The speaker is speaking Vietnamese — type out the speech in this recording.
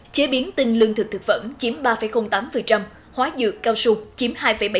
chế biến tinh lương thực thực phẩm chiếm ba tám hóa dược cao su chiếm hai bảy mươi một